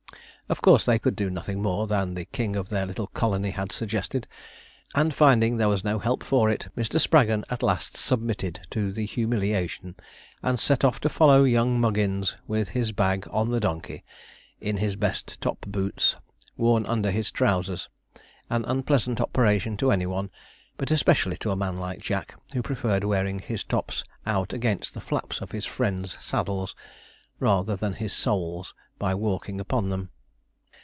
Of course they could do nothing more than the king of their little colony had suggested; and finding there was no help for it, Mr. Spraggon at last submitted to the humiliation, and set off to follow young Muggins with his bag on the donkey, in his best top boots, worn under his trousers an unpleasant operation to any one, but especially to a man like Jack, who preferred wearing his tops out against the flaps of his friends' saddles, rather than his soles by walking upon them.